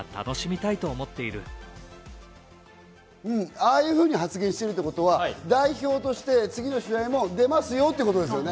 ああいうふうに発言しているってことは、代表として次の試合も出ますよってことですよね。